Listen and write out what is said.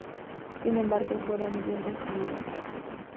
Sin embargo fueron bien recibidos.